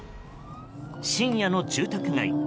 深夜の住宅街。